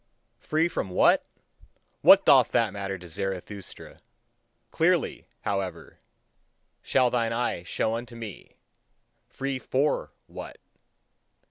Free from what? What doth that matter to Zarathustra! Clearly, however, shall thine eye show unto me: free FOR WHAT?